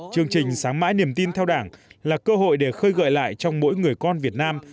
chương trình sáng mãi niềm tin theo đảng là cơ hội để khơi gợi lại trong mỗi người con việt nam